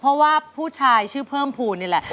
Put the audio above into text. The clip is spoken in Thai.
เพราะว่าผู้ชายชื่อเพิ่มภูมินี่แหละ